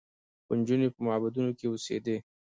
به نجونې په معبدونو کې اوسېدې